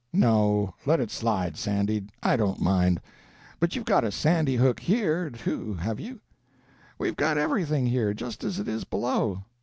"No, let it slide, Sandy, I don't mind. But you've got a Sandy Hook here, too, have you?" "We've got everything here, just as it is below.